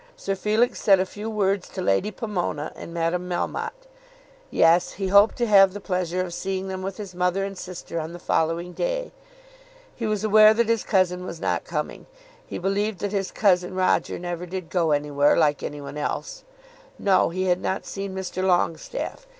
Sir Felix said a few words to Lady Pomona and Madame Melmotte. Yes; he hoped to have the pleasure of seeing them with his mother and sister on the following day. He was aware that his cousin was not coming. He believed that his cousin Roger never did go any where like any one else. No; he had not seen Mr. Longestaffe.